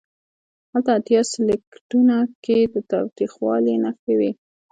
هلته اتیا سلکیټونو کې د تاوتریخوالي نښې وې.